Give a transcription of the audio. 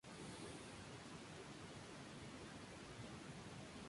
El relanzamiento recibió en su mayoría críticas positivas.